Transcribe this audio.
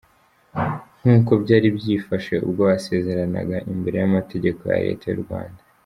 nkuko byari byifashe ubwo basezeranaga imbere yamategeko ya leta yu Rwanda.